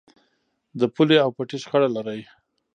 د پولې او پټي شخړه لرئ؟